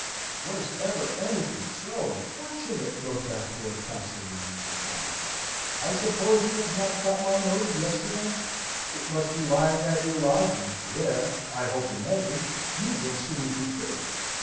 "Was ever anything so unfortunate?" wrote back Lord Castlewood, in reply. "I suppose you have not got my note of yesterday? It must be lying at your lodgings, where I hope in heaven! you will soon be, too.